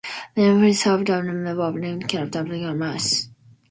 Vielfaure served as a member of the Chamber of Commerce.